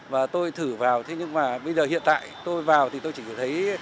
và tôi thử vào thế nhưng mà bây giờ hiện tại tôi vào thì tôi chỉ thấy